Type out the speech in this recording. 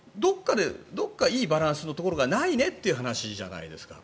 どこかいいバランスのところがないねという話じゃないですか。